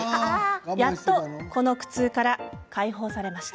やっとこの苦痛から解放されました。